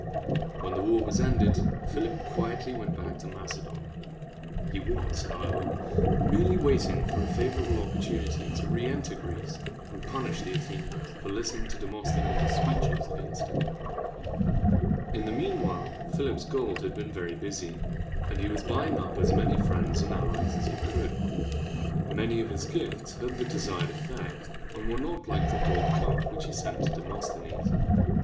When the war was ended, Philip quietly went back to Macedon. He was, however, merely waiting for a favorable opportunity to reënter Greece, and punish the Athenians for listening to Demosthenes' speeches against him. In the mean while, Philip's gold had been very busy, and he was buying up as many friends and allies as he could. Many of his gifts had the desired effect, and were not like the gold cup which he sent to Demosthenes.